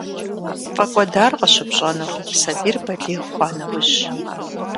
ПфӀэкӀуэдар къыщыпщӀэнур сабийр балигъ хъуа нэужьщ.